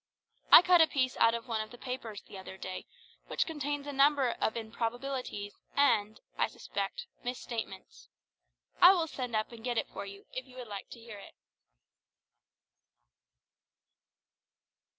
I cut a piece out of one of the papers the other day which contains a number of improbabilities and, I suspect, misstatements. I will send up and get it for you, if you would like to hear it.